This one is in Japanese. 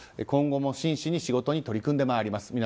今後も真摯に仕事に取り組んでまいります。